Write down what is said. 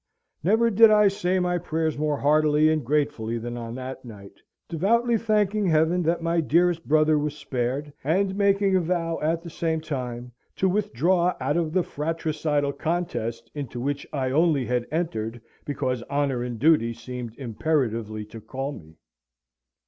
Never did I say my prayers more heartily and gratefully than on that night, devoutly thanking Heaven that my dearest brother was spared, and making a vow at the same time to withdraw out of the fratricidal contest, into which I only had entered because Honour and Duty seemed imperatively to call me.